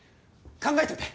考えといて。